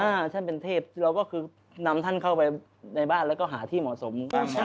ท่านเป็นเทพเราก็คือนำท่านเข้าไปในบ้านแล้วก็หาที่เหมาะสม